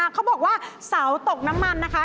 เขาบอกว่าเสาตกน้ำมันนะคะ